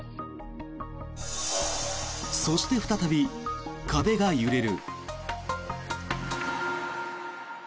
そして、再び壁が揺れる。